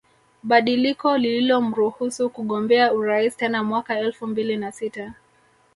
Badiliko lililomruhusu kugombea urais tena mwaka elfu mbili na sita